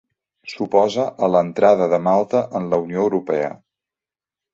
S'oposa a l'entrada de Malta en la Unió Europea.